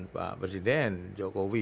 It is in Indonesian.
pak presiden jokowi